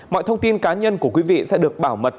mọi thông tin cá nhân của quý vị sẽ được bảo mật